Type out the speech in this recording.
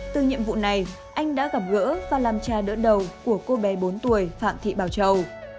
từ nhiệm vụ này anh đã gặp gỡ và làm cha đỡ đầu của cô bé bốn tuổi phạm thị bảo châu